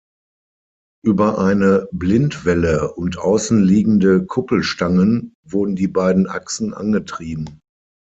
Über eine Blindwelle und außenliegende Kuppelstangen wurden die beiden Achsen angetrieben.